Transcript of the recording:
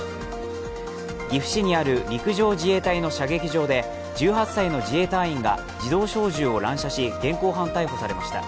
岐阜市にある陸上自衛隊の射撃場で１８歳の自衛隊員が自動小銃を乱射し、現行犯逮捕されまた。